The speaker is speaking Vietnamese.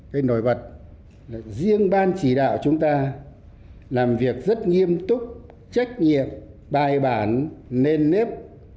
cái nổi bật là riêng ban chỉ đạo chúng ta làm việc rất nghiêm túc trách nhiệm bài bản nền nếp